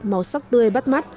màu sắc tươi bắt mắt